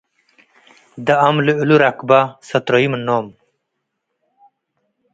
ደአም ለእሉ ረክበ ሰትረዩ ምኖ'ም።